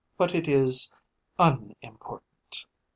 But it is unimportant."